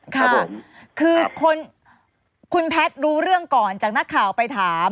ค่ะคือคุณแพทย์รู้เรื่องก่อนจากนักข่าวไปถาม